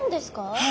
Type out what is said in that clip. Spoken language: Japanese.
はい。